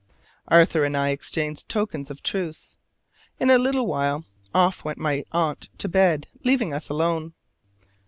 Arthur and I exchanged tokens of truce: in a little while off went my aunt to bed, leaving us alone.